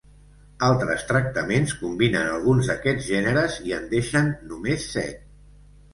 Altres tractaments combinen alguns d'aquests gèneres i en deixen només set.